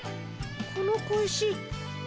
この小石。